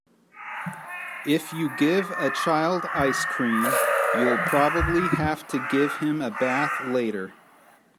If you give a child ice cream, you'll probably have to give him a bath later.